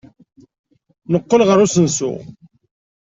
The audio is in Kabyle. Neqqel ɣer usensu.